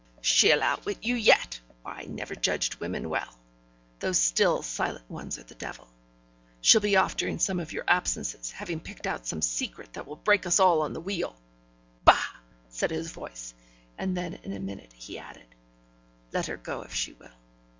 'She'll outwit you yet; or I never judged women well. Those still silent ones are the devil. She'll be off during some of your absences, having picked out some secret that will break us all on the wheel.' 'Bah!' said his voice; and then in a minute he added, 'Let her go if she will.